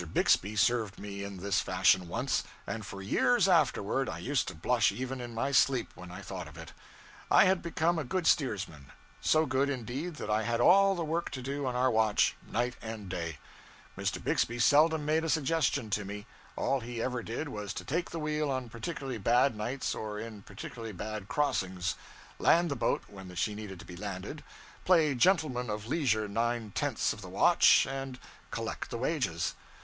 Bixby served me in this fashion once, and for years afterward I used to blush even in my sleep when I thought of it. I had become a good steersman; so good, indeed, that I had all the work to do on our watch, night and day; Mr. Bixby seldom made a suggestion to me; all he ever did was to take the wheel on particularly bad nights or in particularly bad crossings, land the boat when she needed to be landed, play gentleman of leisure nine tenths of the watch, and collect the wages.